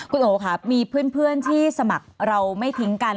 คุณโอค่ะมีเพื่อนที่สมัครเราไม่ทิ้งกัน